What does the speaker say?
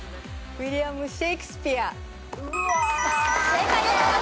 正解です。